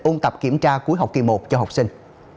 ôn tập kiểm tra cuối học kỳ một cho học sinh